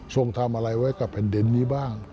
ทำอะไรไว้กับแผ่นดินนี้บ้าง